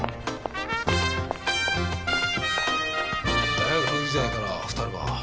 大学時代から２人は。